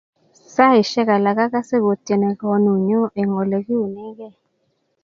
Saishek alak akase kotieni konunyu eng ole kiunekei